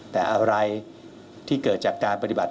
แต่อะไรที่เกิดจากการปฏิบัติ